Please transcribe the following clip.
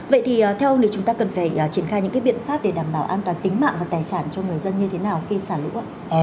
vậy thì theo ông nếu chúng ta cần phải triển khai những cái biện pháp để đảm bảo an toàn tính mạng và tài sản cho người dân như thế nào khi xả lũ